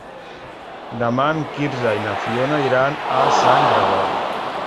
Demà en Quirze i na Fiona iran a Sant Gregori.